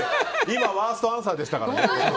今ワーストアンサーでしたからね。